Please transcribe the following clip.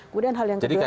kemudian hal yang kedua